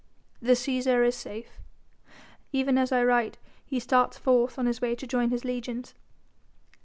The Cæsar is safe. Even as I write he starts forth on his way to join his legions.